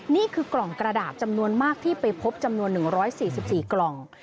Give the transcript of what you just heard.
นี่คือกล่องกระดาษจำนวนมากที่ไปพบจำนวน๑๔๔กล่อง